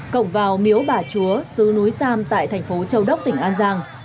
cổng vào miếu bà chúa sứ núi sam tại thành phố châu đốc tỉnh an giang